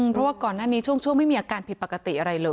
เพราะว่าก่อนหน้านี้ช่วงไม่มีอาการผิดปกติอะไรเลย